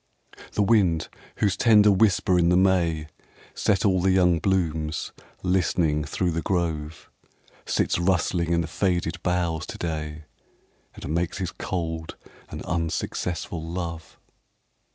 The wind, whose tender whisper in the May Set all the young blooms listening through th* grove, Sits rustling in the faded boughs to day And makes his cold and unsuccess ful love.